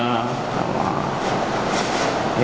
ya intinya bukan untuk klinik